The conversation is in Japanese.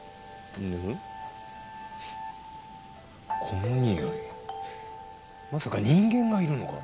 このにおいまさか人間がいるのか？